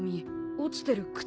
落ちてる靴。